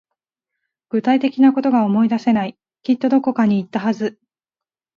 具体的なことが思い出せない。きっとどこかに行ったはず。